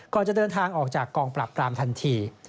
ก่อนจะเดินทางออกจากกองปราบปรามทันที